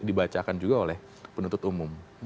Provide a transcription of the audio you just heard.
dibacakan juga oleh penuntut umum